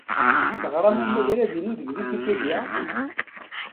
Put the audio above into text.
Teɣram amagrad-inu deg Wikipedia?